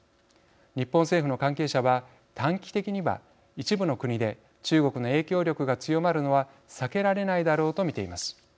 日本政府の関係者は短期的には、一部の国で中国の影響力が強まるのは避けられないだろうと見ています。